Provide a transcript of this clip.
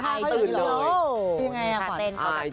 ติดต่างเข้าอีกเลย